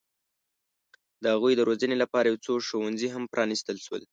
د هغوی د روزنې لپاره یو څو ښوونځي هم پرانستل شول.